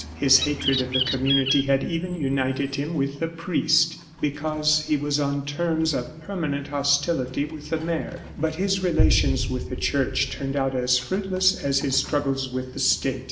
His hatred of the community had even united him with the priest because he was on terms of permanent hostility with the mayor. But his relations with the Church turned out as fruitless as his struggles with the State.